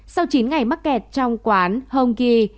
sau chín ngày mắc kẹt trong quán hongki